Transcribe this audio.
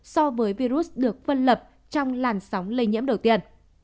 so với virus được phân lập trong làn sóng lây nhiễm đầu tiên